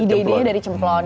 ide idenya dari cemplon